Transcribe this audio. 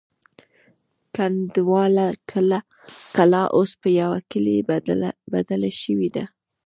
کنډواله کلا اوس په یوه کلي بدله شوې ده.